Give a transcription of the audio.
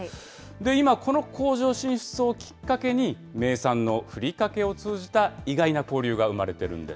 今、この工場進出をきっかけに、名産のふりかけを通じた意外な交流が生まれてるんです。